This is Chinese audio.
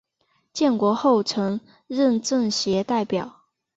建国后曾任政协代表。